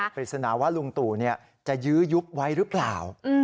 ปริศนาว่าลุงตู่จะยื้อยุบไว้หรือเปล่า